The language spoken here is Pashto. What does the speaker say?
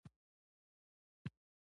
دښمن د سولیزې فضا خلاف وي